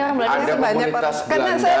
ada komunitas belanda